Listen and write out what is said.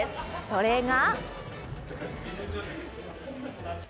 それが。